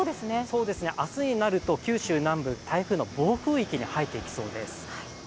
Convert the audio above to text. そうですね、明日になると九州南部、台風の暴風域に入っていきそうです。